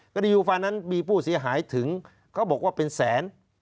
คดียูฟานั้นมีผู้เสียหายถึงเขาบอกว่าเป็นแสน